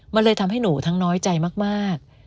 มันเลยทำให้หนูทั้งน้อยใจมาก